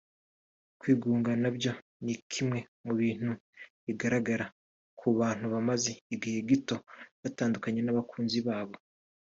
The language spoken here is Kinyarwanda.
Kwigunga na byo ni kimwe mu bintu bigaragara ku bantu bamaze igihe gito batandukanye n’abakunzi babo